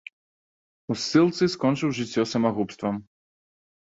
У ссылцы скончыў жыццё самагубствам.